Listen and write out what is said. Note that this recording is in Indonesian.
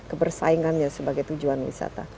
kebersaingannya sebagai tujuan wisata